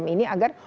semacam ini agar